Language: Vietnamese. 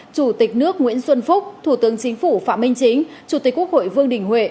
chủ tịch nước nguyễn xuân phúc thủ tướng chính phủ phạm minh chính chủ tịch quốc hội vương đình huệ